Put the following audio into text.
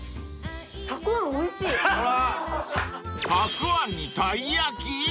［たくあんにたい焼き？